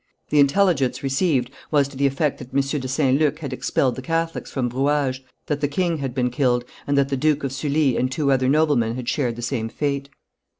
The intelligence received was to the effect that M. de St. Luc had expelled the Catholics from Brouage, that the king had been killed, and that the Duke of Sully and two other noblemen had shared the same fate.